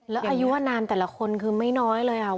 แล้วอายุอนามแต่ละคนคือไม่น้อยเลยค่ะ